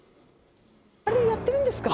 あれ、やってるんですか？